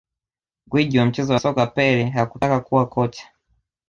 Gwiji wa mchezo wa soka Pele hakutaka kuwa kocha